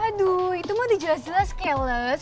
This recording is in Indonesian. aduh itu mau dijelas jelas chelles